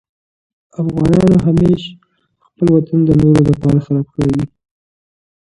د افغانانو اتحاد د پرديو هڅې ناکاموي.